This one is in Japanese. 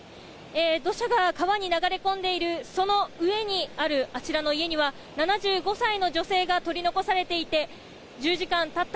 土砂が川に流れ込んでいるその上にあるあちらの家には７５歳の女性が取り残されていて１０時間たった